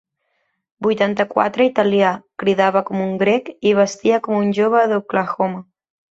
Vuitanta-quatre italià, cridava com un grec i vestia com un jove d'Oklahoma.